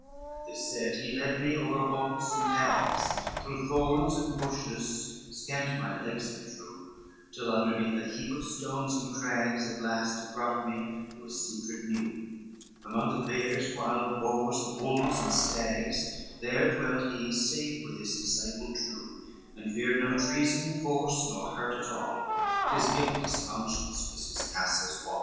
XLI "This said, he led me over holts and hags, Through thorns and bushes scant my legs I drew Till underneath a heap of stones and crags At last he brought me to a secret mew; Among the bears, wild boars, the wolves and stags, There dwelt he safe with his disciple true, And feared no treason, force, nor hurt at all, His guiltless conscience was his castle's wall.